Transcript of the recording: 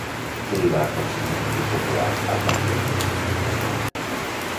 Què li va aconsellar el popular al candidat independentista?